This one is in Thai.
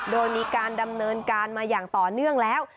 โดยมีการดำเนินการมาอย่างต่อเนื่องแล้ว